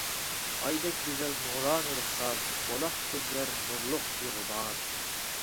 ئايدەك گۈزەل نۇرانە رۇخسار، بۇلاق كۆزلەر نۇرلۇق بىغۇبار.